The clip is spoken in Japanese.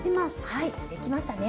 はいできましたね！